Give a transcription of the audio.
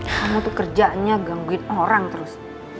kamu tuh kerjanya gangguin orang terus